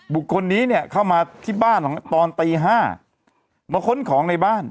บุคคลนี้เนี่ยเข้ามาที่บ้านของตอนตี๕มาค้นของในบ้าน